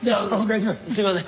すいません。